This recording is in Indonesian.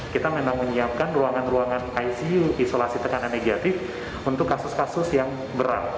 kita memang menyiapkan ruangan ruangan icu isolasi tekanan negatif untuk kasus kasus yang berat